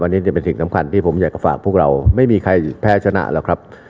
อันนี้จะเป็นสิ่งสำคัญที่ผมอยากจะฝากพวกเราไม่มีใครแพ้ชนะหรอกครับ